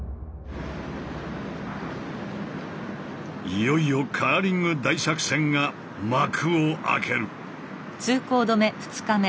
いよいよカーリング大作戦が幕を開ける。